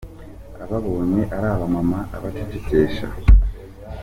Ababonye arabamama abacecekesha.